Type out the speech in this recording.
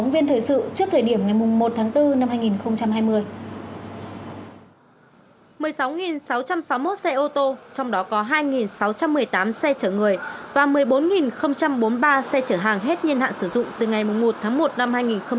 và một mươi bốn bốn mươi ba xe chở hàng hết nhiên hạn sử dụng từ ngày một tháng một năm hai nghìn hai mươi